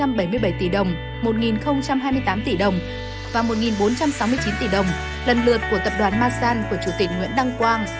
hơn một trăm bảy mươi bảy tỷ đồng một hai mươi tám tỷ đồng và một bốn trăm sáu mươi chín tỷ đồng lần lượt của tập đoàn masan của chủ tịch nguyễn đăng quang